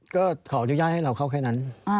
ก็ขออนุญาตให้เราเข้าแค่นั้น